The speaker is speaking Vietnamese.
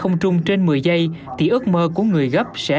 giây thì ước mơ của người gấp sẽ